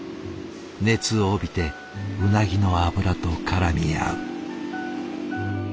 熱を帯びてうなぎの脂とからみ合う。